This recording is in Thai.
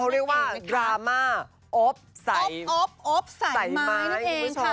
เขาเรียกว่าดราม่าโอ๊ปใส่ไม้นี่เองค่ะ